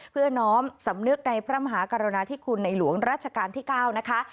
เพื่อน้อมสำนึกในพระมหากรณาธิคุณในหลวงรัชกาลที่๙นะคะ